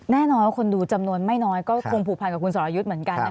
แน่นอนว่าคนดูจำนวนไม่น้อยก็คงผูกพันกับคุณสรยุทธ์เหมือนกันนะคะ